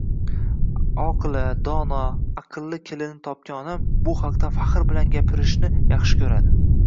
Oqila, dono, aqlli kelinni topgan onam bu haqda faxr bilan gapirishni yaxshi ko'radi